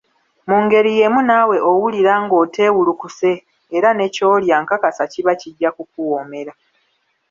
Mu ngeri yeemu naawe owulira ng'oteewulukuse era ne ky'olya nkakasa kiba kijja kukuwoomera.